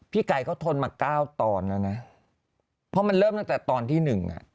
ไก่เขาทนมาเก้าตอนแล้วนะเพราะมันเริ่มตั้งแต่ตอนที่หนึ่งอ่ะ